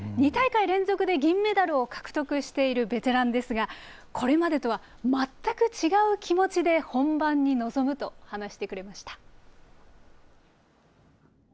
２大会連続で銀メダルを獲得しているベテランですが、これまでとは全く違う気持ちで本番に臨むと話してくれました。